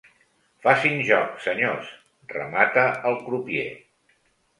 Facin joc, senyors —remata el crupier.